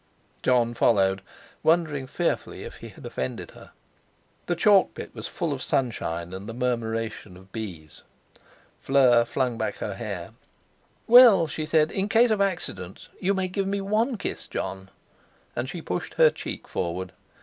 Jon followed, wondering fearfully if he had offended her. The chalk pit was full of sunshine and the murmuration of bees. Fleur flung back her hair. "Well," she said, "in case of accidents, you may give me one kiss, Jon," and she pushed her cheek forward.